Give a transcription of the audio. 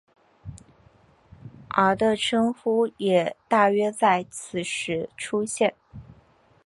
而的称呼也大约在此时出现。